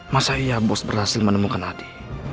masa iya bos berhasil menemukan hati